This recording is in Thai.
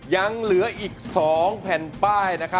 ยังเหลืออีก๒แผ่นป้าย